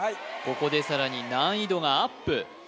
ここでさらに難易度がアップ